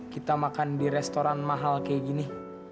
kita makan di restoran mahal kayak gini